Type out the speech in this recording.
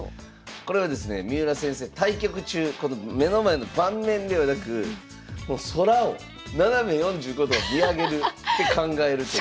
これはですね三浦先生対局中この目の前の盤面ではなく空を斜め４５度を見上げるて考えるという。